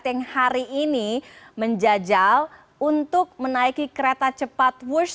yang hari ini menjajal untuk menaiki kereta cepat wush